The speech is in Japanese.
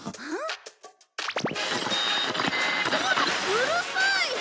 うるさい！